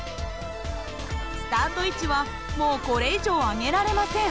スタート位置はもうこれ以上上げられません。